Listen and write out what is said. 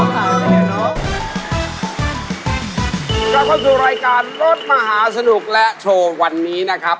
กลับเข้าสู่รายการรถมหาสนุกและโชว์วันนี้นะครับ